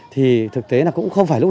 thì thực tế là cũng không phải lúc nào